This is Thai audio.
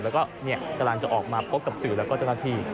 แล้วก็กำลังจะออกมาพบกับสื่อแล้วก็เจ้าหน้าที่